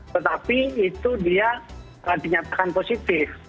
tetapi itu dia dinyatakan positif